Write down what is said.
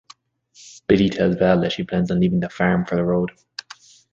Billie tells Val that she plans on leaving The Farm for the road.